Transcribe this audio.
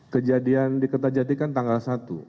kejadian di kerta jati kan tanggal satu